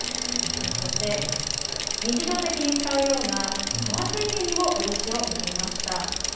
そして、日常的に使うような革製品にも漆を塗りました。